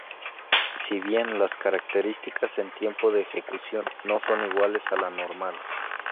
Si bien las características en tiempo de ejecución no son iguales a la normal.